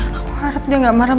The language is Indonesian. saya harap dia tidak marah